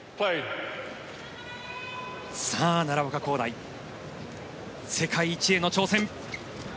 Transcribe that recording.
奈良岡功大、世界一への挑戦。